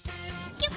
キュッ。